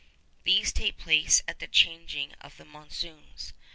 These take place at the changing of the monsoons.